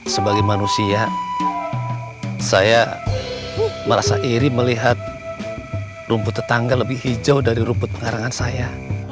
sebagai manusia saya merasa iri melihat rumput tetangga lebih hijau dari rumput pengarangan saya